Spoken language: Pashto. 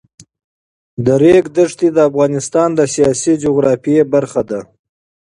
د ریګ دښتې د افغانستان د سیاسي جغرافیه برخه ده.